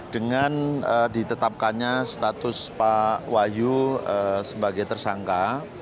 setiap kali apabila omong omong diketamkan status pak wahyu sebagai tersangka